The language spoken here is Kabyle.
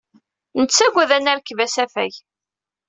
Nettagad ad nerkeb asafag.